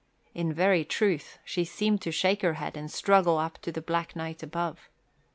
In very truth she seemed to shake her head and struggle up to the black night above.